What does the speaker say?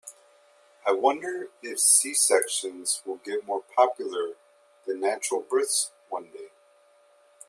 I wonder if C-sections will get more popular than natural births one day.